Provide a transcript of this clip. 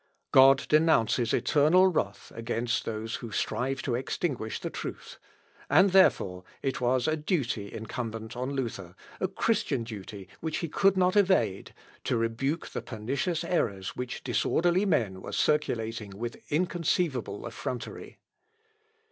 God denounces eternal wrath against those who strive to extinguish the truth; and therefore, it was a duty incumbent on Luther a Christian duty which he could not evade to rebuke the pernicious errors which disorderly men were circulating with inconceivable effrontery.